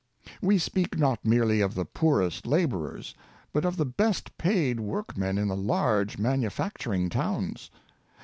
We speak not merely of the poorest laborers, but of the best paid workmen in the large manufacturing towns.